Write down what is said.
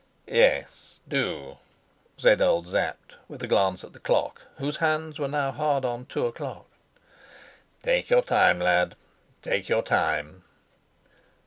"Yes, do," said old Sapt, with a glance at the clock, whose hands were now hard on two o'clock. "Take your time, lad, take your time."